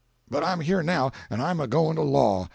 But I'm here now, and I'm a going to law.